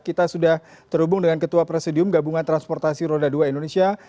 kita sudah terhubung dengan ketua presidium gabungan transportasi roda dua indonesia